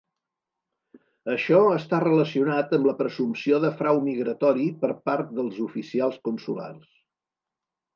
Això està relacionat amb la presumpció de frau migratori per part dels oficials consulars.